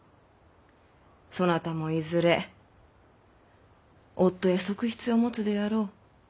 そなたもいずれ夫や側室を持つであろう？